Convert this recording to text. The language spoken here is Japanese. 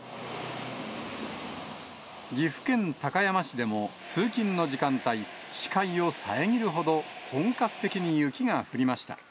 岐阜県高山市でも通勤の時間帯、視界を遮るほど、本格的に雪が降りました。